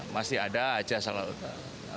masih ada saja